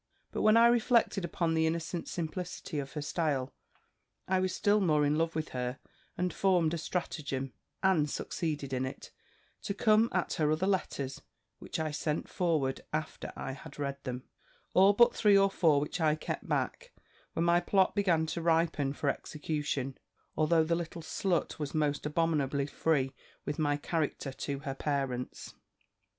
"But when I reflected upon the innocent simplicity of her style, I was still more in love with her, and formed a stratagem, and succeeded in it, to come at her other letters, which I sent forward, after I had read them, all but three or four, which I kept back, when my plot began to ripen for execution; although the little slut was most abominably free with my character to her parents.